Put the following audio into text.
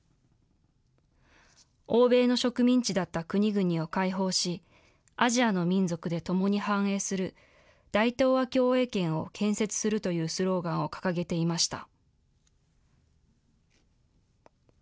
欧米の植民地だった国々を解放し、アジアの民族で共に繁栄する大東亜共栄圏を建設するというスローガンを掲げていました。